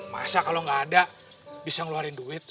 masa kalau nggak ada bisa ngeluarin duit